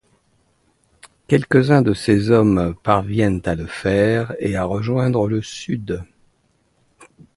Quelques-uns de ses hommes parviennent à le faire et à rejoindre le sud.